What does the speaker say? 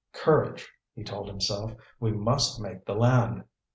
"Courage!" he told himself. "We must make the land!"